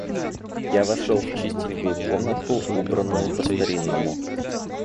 Я вошел в чистенькую комнатку, убранную по-старинному.